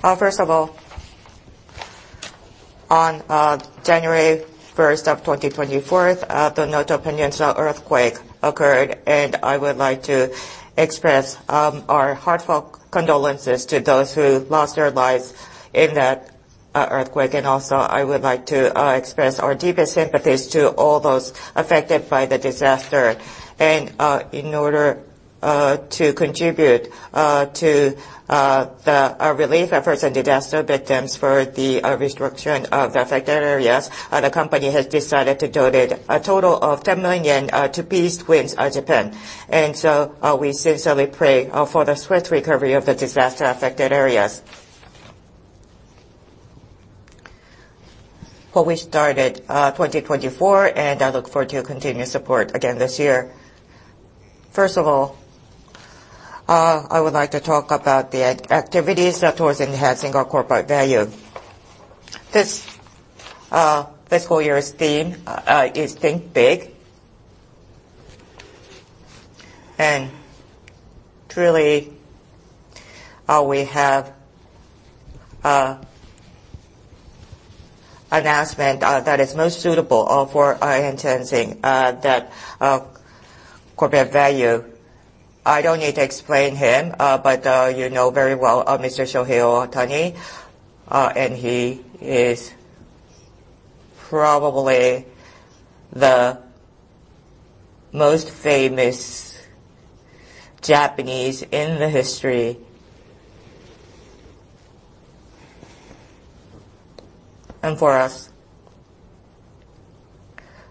First of all, on January 1st, 2024, the Noto Peninsula earthquake occurred. I would like to express our heartfelt condolences to those who lost their lives in that earthquake. Also, I would like to express our deepest sympathies to all those affected by the disaster. In order to contribute to the relief efforts and disaster victims for the reconstruction of the affected areas, the company has decided to donate a total of 10 million yen to Peace Winds Japan. We sincerely pray for the swift recovery of the disaster-affected areas. Well, we started 2024. I look forward to your continued support again this year. First of all, I would like to talk about the activities towards enhancing our corporate value. This, this whole year's theme is Think Big. Truly, we have an asset that is most suitable for enhancing that corporate value. I don't need to explain him, but you know very well, Mr. Shohei Ohtani, and he is probably the most famous Japanese in the history. For us,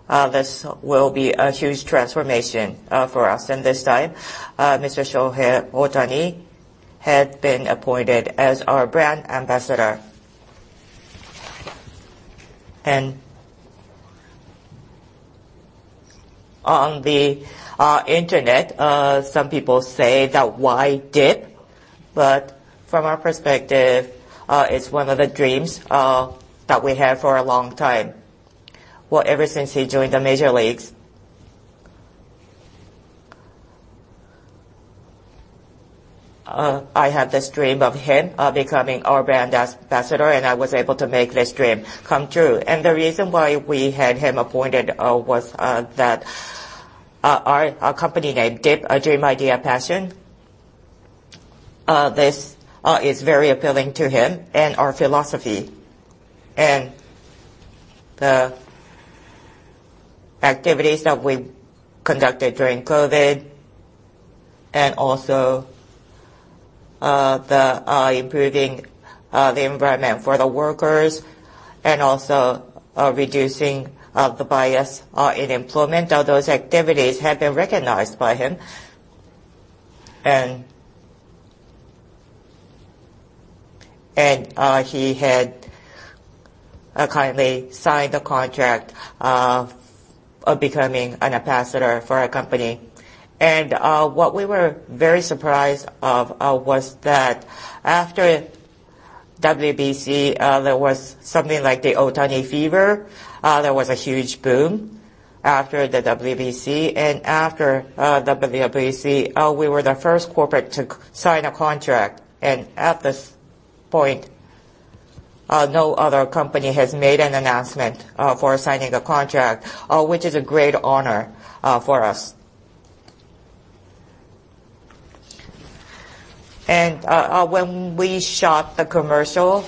this will be a huge transformation for us. This time, Mr. Shohei Ohtani had been appointed as our brand ambassador. On the internet, some people say that, "Why DIP?" From our perspective, it's one of the dreams that we had for a long time. Well, ever since he joined the Major Leagues. I had this dream of him becoming our brand ambassador, and I was able to make this dream come true. The reason why we had him appointed was that our company name, DIP, Dream, Idea, Passion, this is very appealing to him and our philosophy. The activities that we conducted during COVID, and also, the improving the environment for the workers, and also, reducing the bias in employment. All those activities have been recognized by him. He had kindly signed the contract of becoming an ambassador for our company. What we were very surprised of was that after WBC, there was something like the Ohtani fever. There was a huge boom after the WBC. After the WBC, we were the first corporate to sign a contract. At this point, no other company has made an announcement for signing a contract, which is a great honor for us. When we shot the commercial,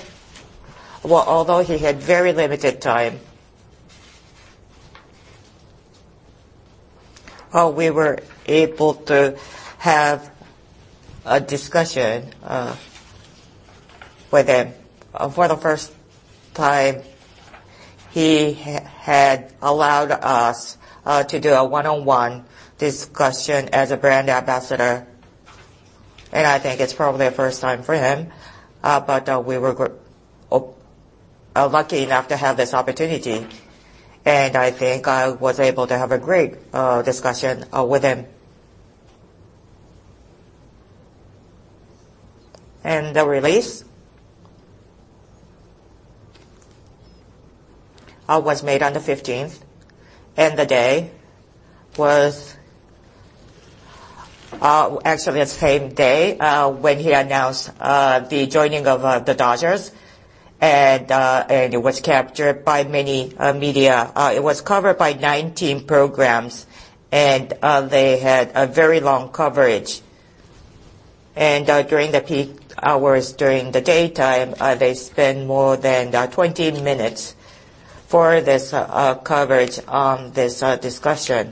well, although he had very limited time, we were able to have a discussion with him. For the first time, he had allowed us to do a one-on-one discussion as a brand ambassador. I think it's probably a first time for him. We were lucky enough to have this opportunity. I think I was able to have a great discussion with him. The release was made on the 15th, and the day was actually the same day when he announced the joining of the Dodgers. It was captured by many media. It was covered by 19 programs, they had a very long coverage. During the peak hours during the daytime, they spent more than 20 minutes for this coverage on this discussion.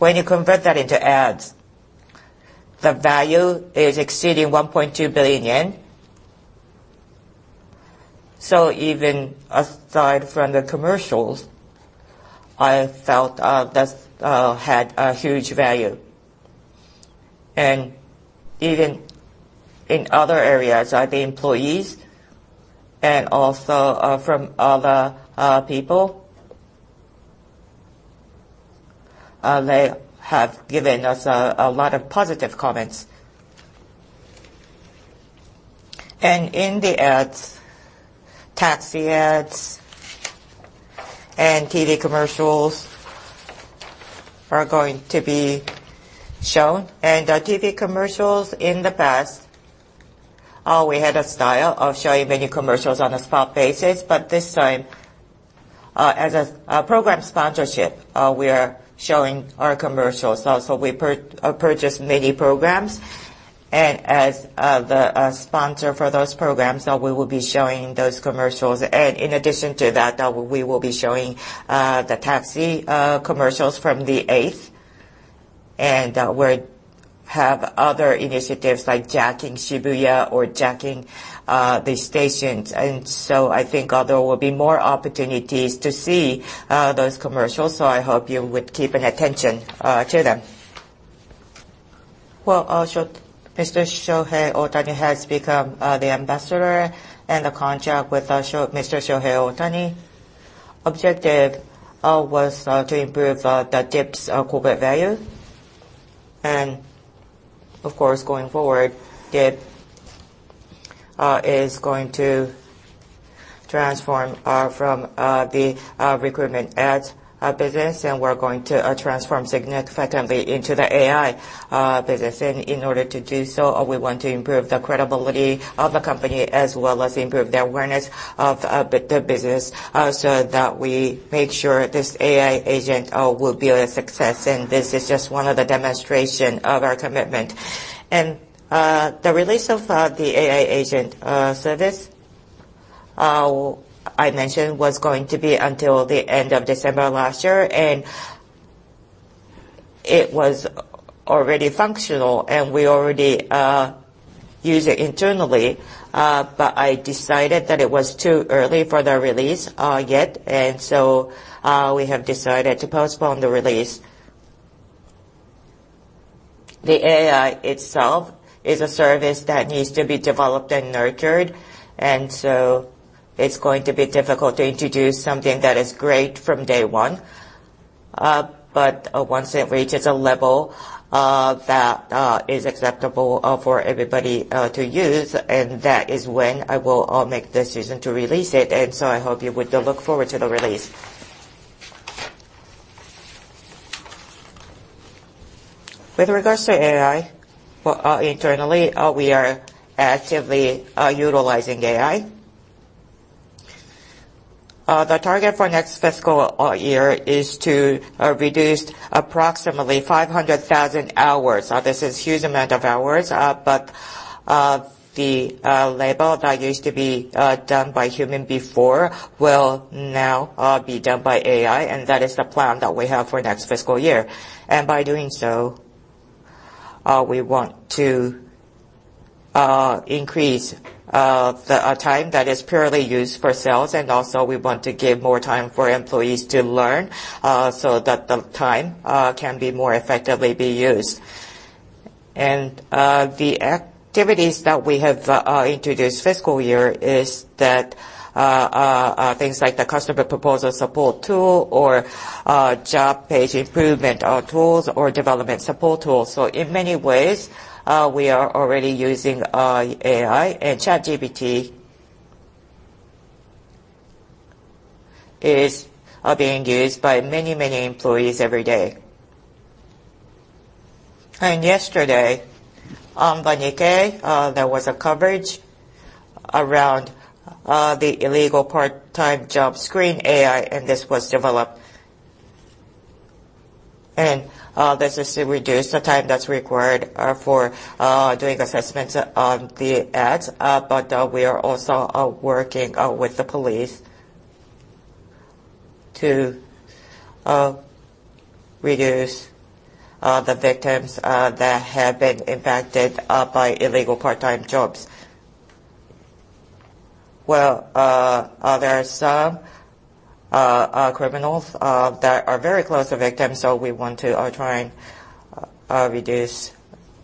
When you convert that into ads, the value is exceeding 1.2 billion yen. Even aside from the commercials, I felt that had a huge value. Even in other areas, the employees and also from other people, they have given us a lot of positive comments. In the ads, taxi ads and TV commercials are going to be shown. TV commercials in the past, we had a style of showing many commercials on a spot basis. This time, as a program sponsorship, we are showing our commercials. Also we purchase many programs and as the sponsor for those programs, we will be showing those commercials. In addition to that, we will be showing the taxi commercials from the 8th. We're have other initiatives like jacking Shibuya or jacking the stations. I think there will be more opportunities to see those commercials, so I hope you would keep an attention to them. Mr. Shohei Ohtani has become the ambassador and the contract with Mr. Shohei Ohtani. Objective was to improve the DIP's corporate value. Of course, going forward, DIP is going to transform from the recruitment ads business, and we're going to transform significantly into the AI business. In order to do so, we want to improve the credibility of the company, as well as improve the awareness of the business, so that we make sure this AI agent will be a success. This is just one of the demonstration of our commitment. The release of the AI agent service I mentioned was going to be until the end of December last year. It was already functional, and we already use it internally. I decided that it was too early for the release yet. We have decided to postpone the release. The AI itself is a service that needs to be developed and nurtured. It's going to be difficult to introduce something that is great from day one. Once it reaches a level that is acceptable for everybody to use, that is when I will make decision to release it. I hope you would look forward to the release. With regards to AI, well, internally, we are actively utilizing AI. The target for next fiscal year is to reduce approximately 500,000 hours. This is huge amount of hours. The labor that used to be done by human before will now be done by AI, and that is the plan that we have for next fiscal year. By doing so, we want to increase the time that is purely used for sales. Also, we want to give more time for employees to learn, so that the time can be more effectively be used. The activities that we have introduced fiscal year is that things like the customer proposal support tool or job page improvement tools or development support tools. In many ways, we are already using AI. ChatGPT is being used by many employees every day. Yesterday, by Nikkei, there was a coverage around the illegal part-time job screen AI, and this was developed. This is to reduce the time that's required for doing assessments on the ads. We are also working with the police to reduce the victims that have been impacted by illegal part-time jobs. Well, there are some criminals that are very close to victims, so we want to try and reduce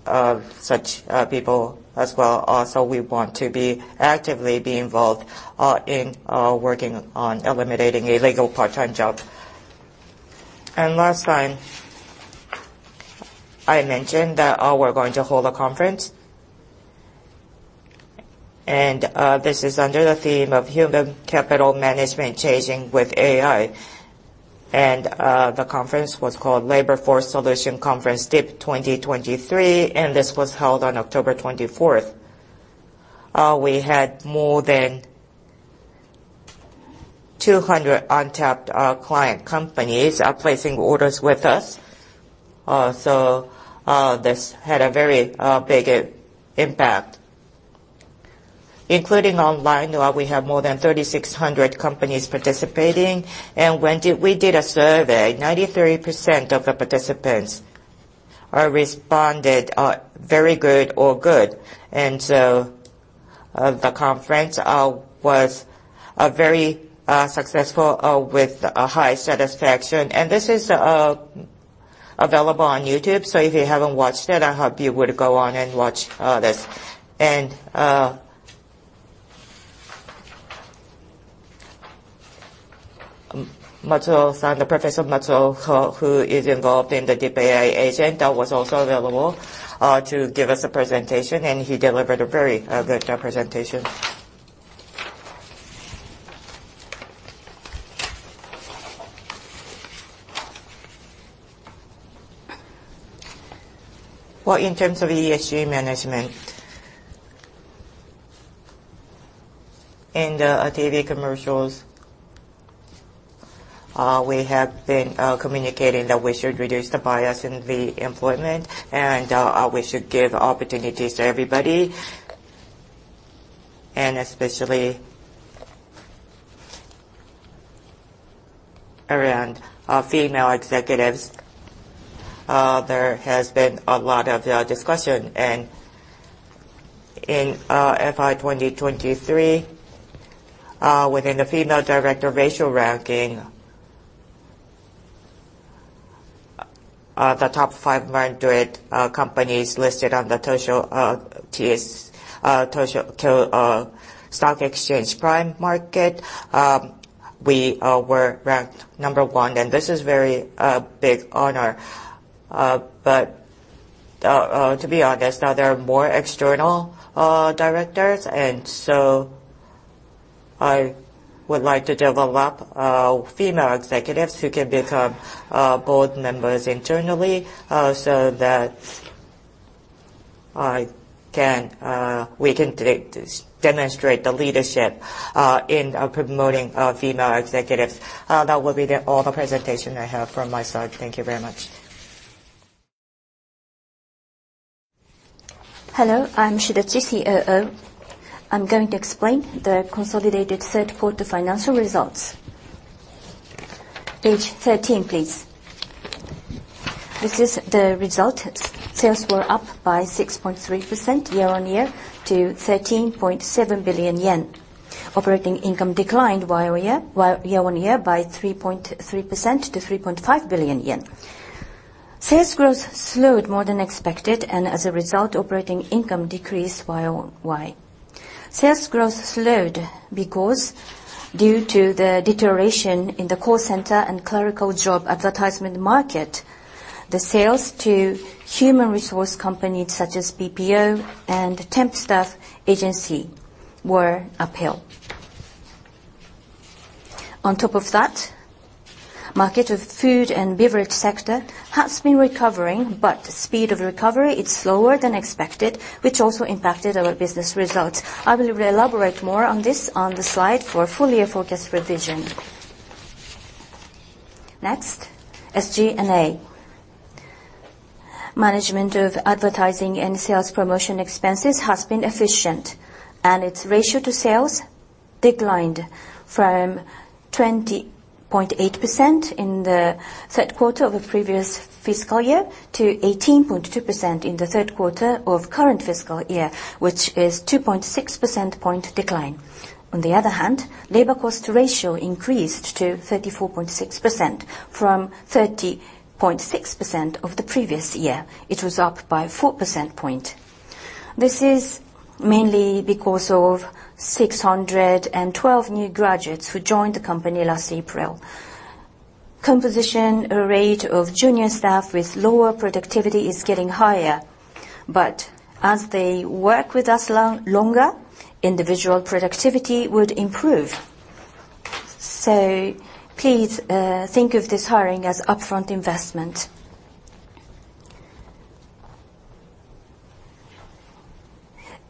such people as well. Also we want to be actively be involved in working on eliminating illegal part-time job. Last time, I mentioned that we're going to hold a conference. This is under the theme of Human Capital Management Changing with AI. The conference was called Labor Force Solution Conference dip 2023, and this was held on October 24th. We had more than 200 untapped client companies placing orders with us. So, this had a very big impact. Including online, we have more than 3,600 companies participating. We did a survey. 93% of the participants responded very good or good. So, the conference was a very successful with a high satisfaction. This is available on YouTube. If you haven't watched it, I hope you would go on and watch this. Matsuo San, Professor Matsuo, who is involved in the dip AI-Agent, was also available to give us a presentation, and he delivered a very good presentation. Well, in terms of ESG management. In the TV commercials, we have been communicating that we should reduce the bias in the employment and we should give opportunities to everybody. Especially around our female executives, there has been a lot of discussion. In FY 2023, within the female director ratio ranking, the top 500 companies listed on the Tokyo Stock Exchange Prime Market, we were ranked number one, and this is very big honor. To be honest, now there are more external directors, and so I would like to develop female executives who can become board members internally, so that we can demonstrate the leadership in promoting female executives. That will be all the presentation I have from my side. Thank you very much. Hello, I'm Shidachi, COO. I'm going to explain the consolidated third quarter financial results. Page 13, please. This is the result. Sales were up by 6.3% year-over-year to 13.7 billion yen. Operating income declined year-on-year by 3.3% to 3.5 billion yen. Sales growth slowed more than expected, and as a result, operating income decreased Y-o-Y. Sales growth slowed because due to the deterioration in the call center and clerical job advertisement market, the sales to human resource companies such as BPO and temp staff agency were uphill. On top of that, market of food and beverage sector has been recovering, but speed of recovery is slower than expected, which also impacted our business results. I will elaborate more on this on the slide for full year forecast revision. Next, SG&A. Management of advertising and sales promotion expenses has been efficient, and its ratio to sales declined from 20.8% in the third quarter of the previous fiscal year to 18.2% in the third quarter of current fiscal year, which is 2.6 percent point decline. Labor cost ratio increased to 34.6% from 30.6% of the previous year. It was up by 4 percent point. This is mainly because of 612 new graduates who joined the company last April. Composition rate of junior staff with lower productivity is getting higher. As they work with us longer, individual productivity would improve. Please think of this hiring as upfront investment.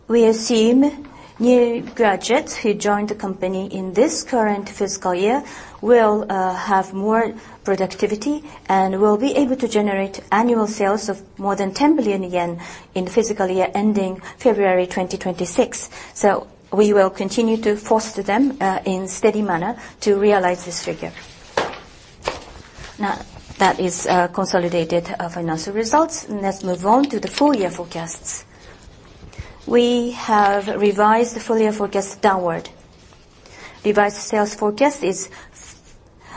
We assume new graduates who joined the company in this current fiscal year will have more productivity and will be able to generate annual sales of more than 10 billion yen in fiscal year ending February 2026. We will continue to foster them in steady manner to realize this figure. Now, that is consolidated financial results. Let's move on to the full year forecasts. We have revised the full year forecast downward. Revised sales forecast is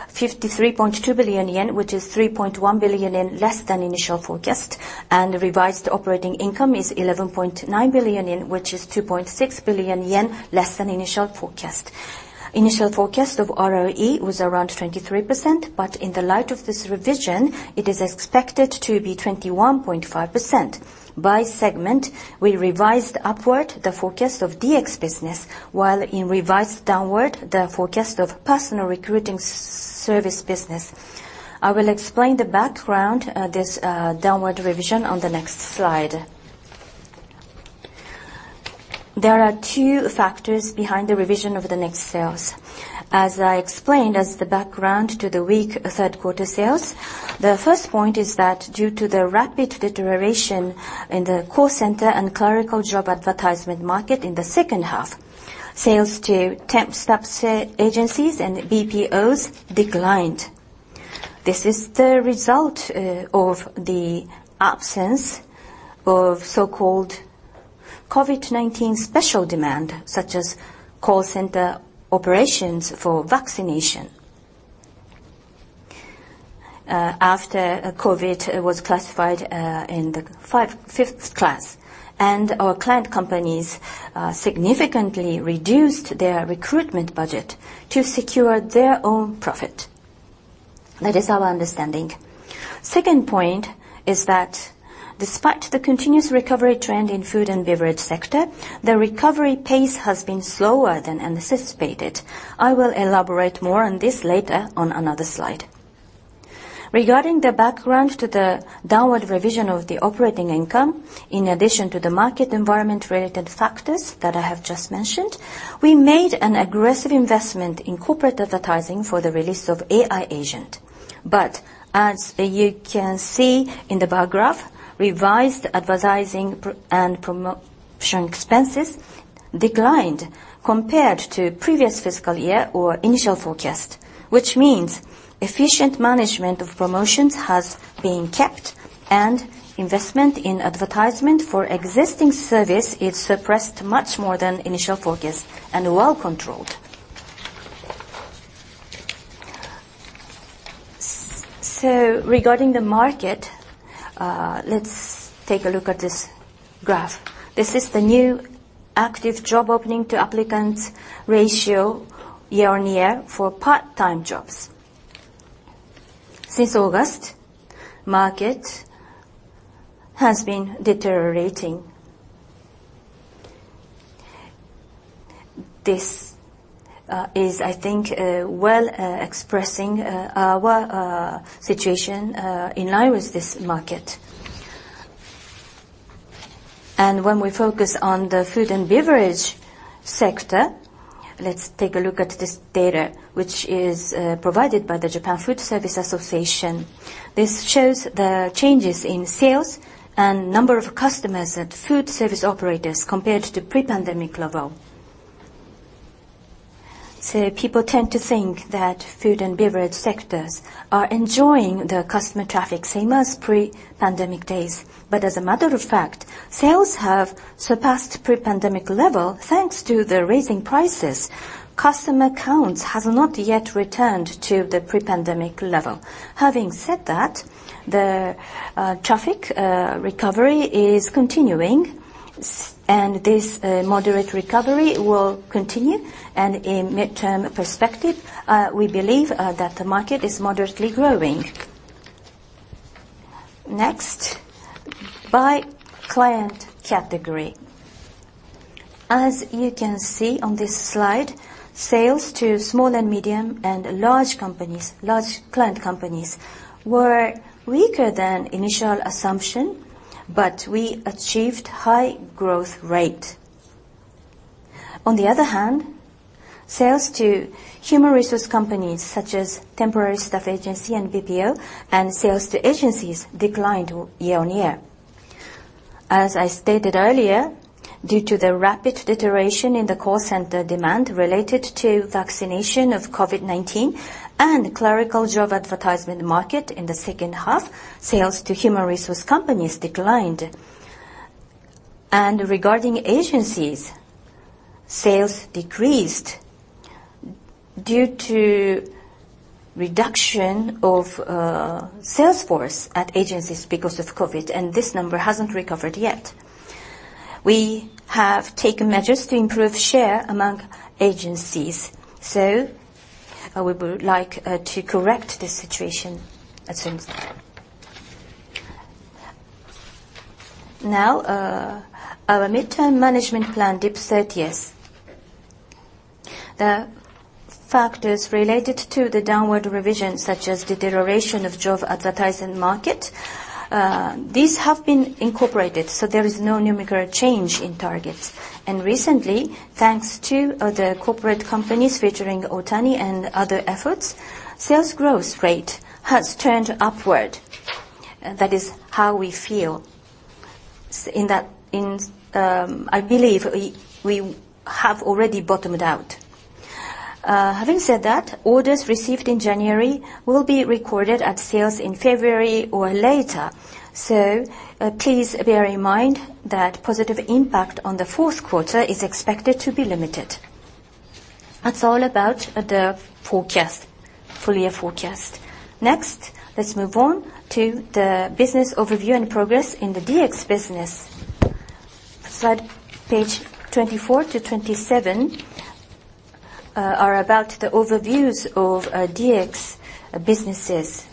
53.2 billion yen, which is 3.1 billion yen less than initial forecast. Revised operating income is 11.9 billion yen, which is 2.6 billion yen less than initial forecast. Initial forecast of ROE was around 23%, but in the light of this revision, it is expected to be 21.5%. By segment, we revised upward the forecast of DX business, while revised downward the forecast of personnel recruiting services business. I will explain the background, this downward revision on the next slide. There are two factors behind the revision of the next sales. As I explained, as the background to the weak third quarter sales, the first point is that due to the rapid deterioration in the call center and clerical job advertisement market in the second half, sales to temp staff agencies and BPOs declined. This is the result of the absence of so-called COVID-19 special demand, such as call center operations for vaccination. After COVID was classified in the 5th class, and our client companies significantly reduced their recruitment budget to secure their own profit. That is our understanding. Second point is that despite the continuous recovery trend in food and beverage sector, the recovery pace has been slower than anticipated. I will elaborate more on this later on another slide. Regarding the background to the downward revision of the operating income, in addition to the market environment related factors that I have just mentioned, we made an aggressive investment in corporate advertising for the release of AI-Agent. As you can see in the bar graph, revised advertising and promotion expenses declined compared to previous fiscal year or initial forecast. Which means efficient management of promotions has been kept, and investment in advertisement for existing service is suppressed much more than initial forecast and well controlled. Regarding the market, let's take a look at this graph. This is the new active job opening to applicants ratio year-on-year for part-time jobs. Since August, market has been deteriorating. This is, I think, well, expressing our situation in labor's market. When we focus on the food and beverage sector, let's take a look at this data, which is provided by the Japan Foodservice Association. This shows the changes in sales and number of customers at food service operators compared to pre-pandemic level. People tend to think that food and beverage sectors are enjoying the customer traffic same as pre-pandemic days. As a matter of fact, sales have surpassed pre-pandemic level, thanks to the raising prices. Customer count has not yet returned to the pre-pandemic level. Having said that, the traffic recovery is continuing and this moderate recovery will continue. In midterm perspective, we believe that the market is moderately growing. Next, by client category. As you can see on this slide, sales to small and medium and large companies, large client companies, were weaker than initial assumption, but we achieved high growth rate. On the other hand, sales to human resource companies such as temporary staff agency and BPO, and sales to agencies declined year-on-year. As I stated earlier, due to the rapid deterioration in the call center demand related to vaccination of COVID-19 and clerical job advertisement market in the second half, sales to human resource companies declined. Regarding agencies, sales decreased due to reduction of sales force at agencies because of COVID-19, and this number hasn't recovered yet. We have taken measures to improve share among agencies, we would like to correct this situation as soon as possible. Now, our midterm management plan, dip 2030. The factors related to the downward revision, such as deterioration of job advertising market, these have been incorporated, so there is no numerical change in targets. Recently, thanks to other corporate companies featuring Ohtani and other efforts, sales growth rate has turned upward. That is how we feel. I believe we have already bottomed out. Having said that, orders received in January will be recorded at sales in February or later. Please bear in mind that positive impact on the fourth quarter is expected to be limited. That's all about the forecast, full year forecast. Next, let's move on to the business overview and progress in the DX business. Slide page 24 to 27 are about the overviews of DX businesses.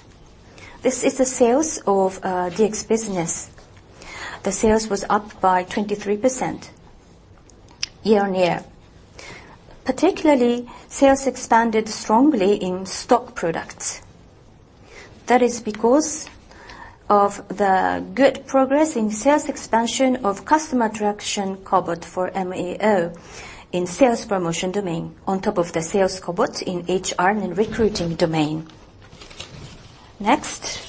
This is the sales of DX business. The sales was up by 23% year-on-year. Particularly, sales expanded strongly in stock products. That is because of the good progress in sales expansion of customer attraction KOBOT for MEO in sales promotion domain, on top of the sales KOBOT in HR and recruiting domain. Next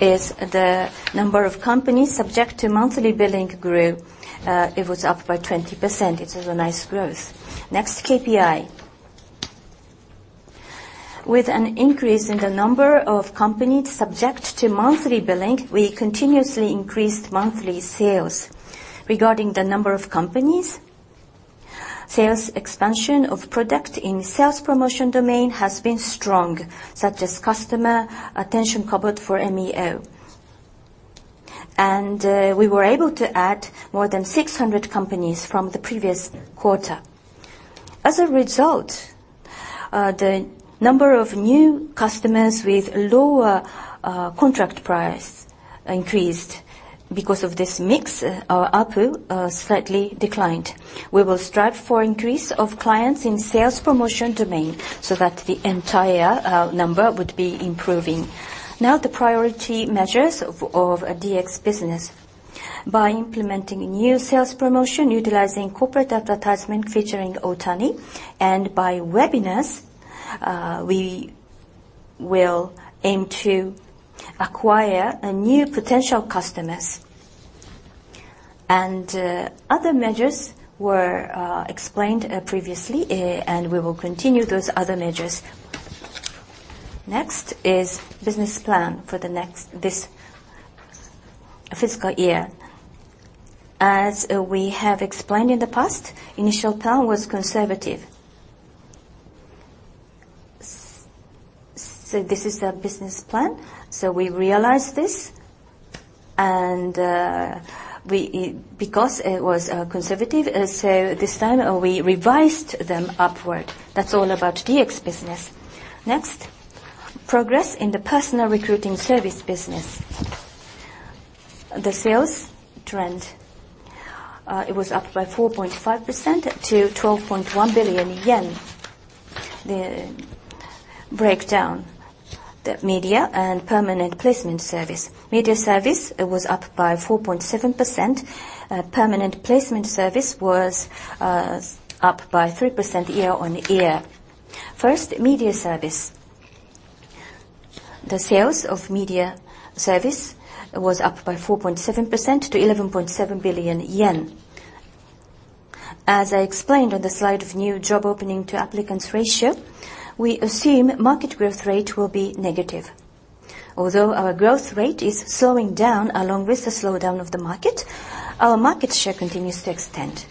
is the number of companies subject to monthly billing grew. It was up by 20%. It is a nice growth. Next KPI. With an increase in the number of companies subject to monthly billing, we continuously increased monthly sales. Regarding the number of companies, sales expansion of product in sales promotion domain has been strong, such as customer attraction KOBOT for MEO. We were able to add more than 600 companies from the previous quarter. As a result, the number of new customers with lower contract price increased. Because of this mix, our ARPU slightly declined. We will strive for increase of clients in sales promotion domain so that the entire number would be improving. Now, the priority measures of DX business. By implementing new sales promotion, utilizing corporate advertisement featuring Ohtani, and by webinars, we will aim to acquire new potential customers. Other measures were explained previously, and we will continue those other measures. Next is business plan for this fiscal year. As we have explained in the past, initial plan was conservative. This is the business plan. We realized this, and we, because it was conservative, so this time we revised them upward. That's all about DX business. Next, progress in the personnel recruiting service business. The sales trend, it was up by 4.5% to 12.1 billion yen. The breakdown, the media and permanent placement service. Media service was up by 4.7%. Permanent placement service was up by 3% year-on-year. First, media service. The sales of media service was up by 4.7% to 11.7 billion yen. As I explained on the slide of new job opening to applicants ratio, we assume market growth rate will be negative. Although our growth rate is slowing down along with the slowdown of the market, our market share continues to extend.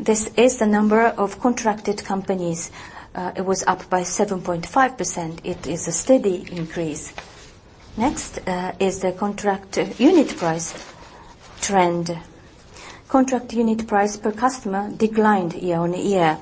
This is the number of contracted companies. It was up by 7.5%. It is a steady increase. Next is the contract unit price trend. Contract unit price per customer declined year-on-year.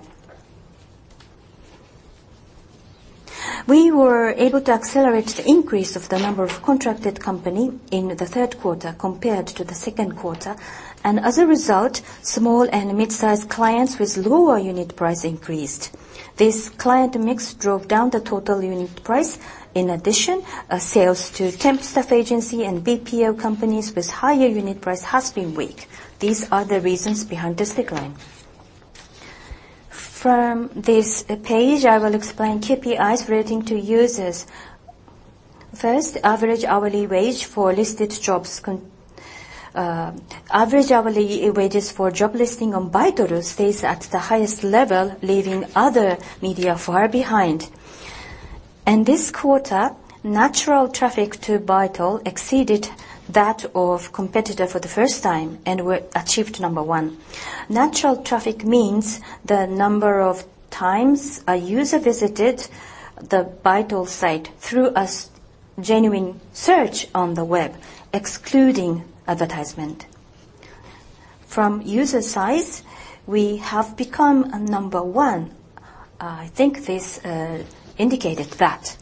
We were able to accelerate the increase of the number of contracted company in the third quarter compared to the second quarter, and as a result, small and mid-sized clients with lower unit price increased. This client mix drove down the total unit price. In addition, sales to temp staff agency and BPO companies with higher unit price has been weak. These are the reasons behind this decline. From this page, I will explain KPIs relating to users. First, average hourly wages for job listing on Baitoru stays at the highest level, leaving other media far behind. In this quarter, natural traffic to Baitoru exceeded that of competitor for the first time and we achieved number one. Natural traffic means the number of times a user visited the Baitoru site through a genuine search on the web, excluding advertisement. From user side, we have become number one. I think this indicated that.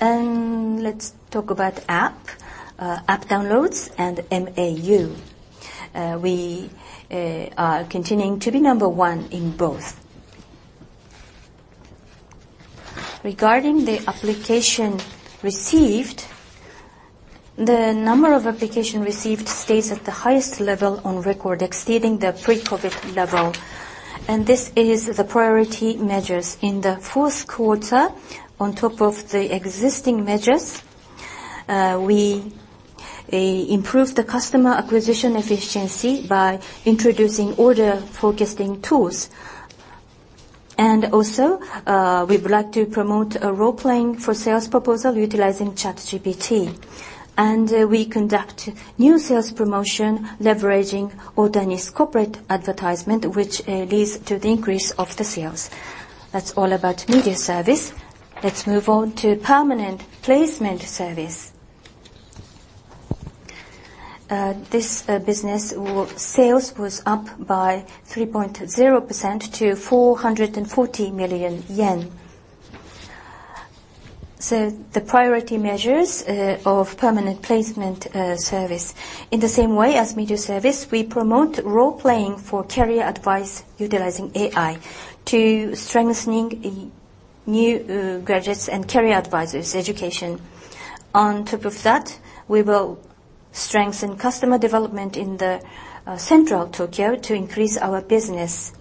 Let's talk about app downloads and MAU. We are continuing to be number one in both. Regarding the application received, the number of application received stays at the highest level on record, exceeding the pre-COVID-19 level. This is the priority measures. In the fourth quarter, on top of the existing measures, we improved the customer acquisition efficiency by introducing order forecasting tools. We would like to promote a role-playing for sales proposal utilizing ChatGPT. We conduct new sales promotion leveraging Ohtani's corporate advertisement, which leads to the increase of the sales. That's all about media service. Let's move on to permanent placement service. This business sales was up by 3.0% to JPY 440 million. The priority measures of permanent placement service, in the same way as media service, we promote role-playing for career advice utilizing AI to strengthening new graduates and career advisors' education. On top of that, we will strengthen customer development in the central Tokyo to increase our business.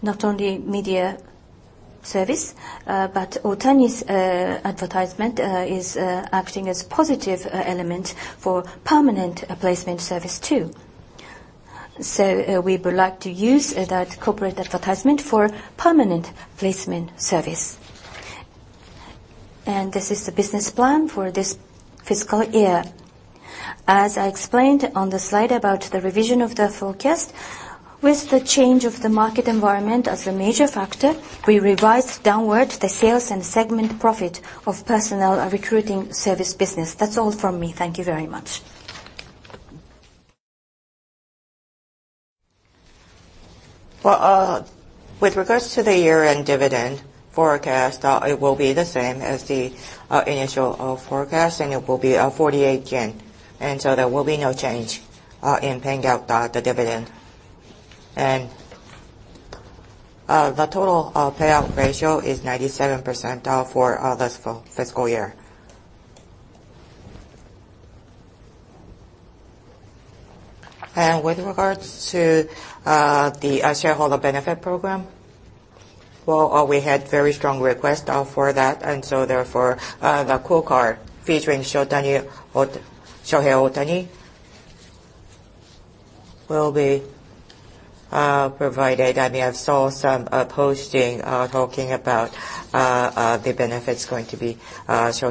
Not only media service, but Ohtani's advertisement is acting as positive element for permanent placement service too. We would like to use that corporate advertisement for permanent placement service. This is the business plan for this fiscal year. As I explained on the slide about the revision of the forecast, with the change of the market environment as a major factor, we revised downward the sales and segment profit of personnel recruiting services business. That's all from me. Thank you very much. Well, with regards to the year-end dividend forecast, it will be the same as the initial forecast, and it will be JPY 48. There will be no change in paying out the dividend. The total payout ratio is 97% for this fiscal year. With regards to the shareholder benefit program, well, we had very strong request for that, and so therefore, the QUO CARD featuring Shohei Ohtani will be provided. I mean, I saw some posting talking about the benefits going to be.